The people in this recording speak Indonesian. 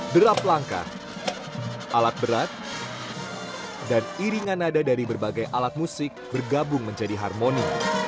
derap langkah alat berat dan iringan nada dari berbagai alat musik bergabung menjadi harmoni